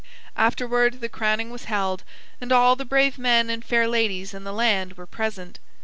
Afterward the crowning was held, and all the brave men and fair ladies in the land were present.